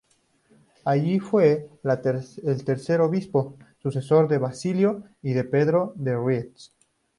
Allí fue el tercer obispo, sucesor de Basilio y de Pedro de Rates.